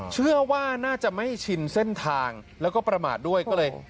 เชื่อว่าน่าจะไม่ชินเส้นทางแล้วก็ประมาทด้วยก็เลย